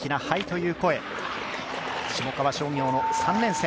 下川商業の３年生。